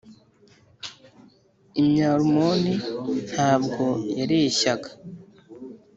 imyarumoni ntabwo yareshyaga